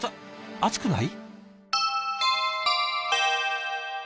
熱くない？